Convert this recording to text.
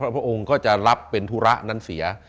พระองค์ก็จะรับเป็นธุระนั้นเสีย